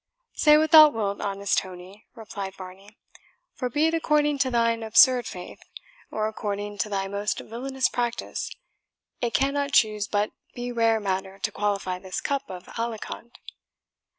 "Say what thou wilt, honest Tony," replied Varney; "for be it according to thine absurd faith, or according to thy most villainous practice, it cannot choose but be rare matter to qualify this cup of Alicant.